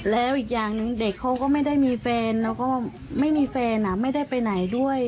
แล้วอีกอย่างหนึ่งเด็กเขาก็ไม่ได้มีแฟนแล้วก็ไม่มีแฟนไม่ได้ไปไหนด้วย